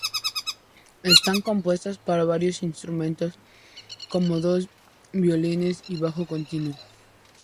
Están compuestas para varios instrumentos, como dos violines y bajo continuo.